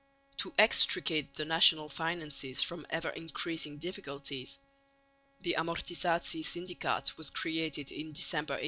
To extricate the national finances from ever increasing difficulties the Amortisatie Syndikaat was created in December, 1822.